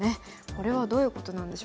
これはどういうことなんでしょうか。